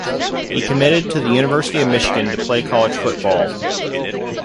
He committed to the University of Michigan to play college football.